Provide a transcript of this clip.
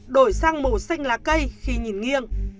đổi sang màu xanh lá cây khi nhìn nghiêng